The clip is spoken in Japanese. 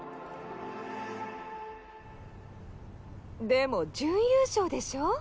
でも準優勝でしょう？